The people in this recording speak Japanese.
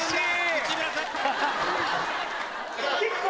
内村さん！